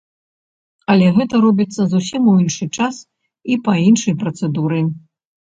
Але гэта робіцца зусім у іншы час і па іншай працэдуры.